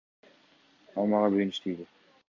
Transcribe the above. Ал мага биринчи тийди.